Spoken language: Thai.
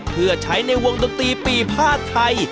เพื่อใช้ในวงดนตรีปีภาษไทย